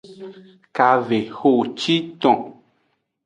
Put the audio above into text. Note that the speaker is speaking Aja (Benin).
Kavehociton.